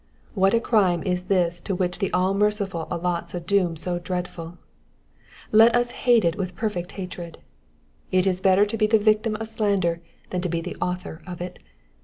What a crime is this to which the All merciful allots a doom so dreadful ! Let us hate it with perfect hatred. It is better to be the victim of slander than to be the author of it.